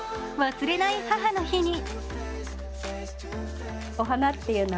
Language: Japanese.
忘れない母の日に。